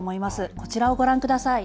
こちらをご覧ください。